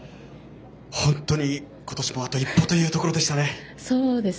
本当に今年もあと一歩というところでしたね。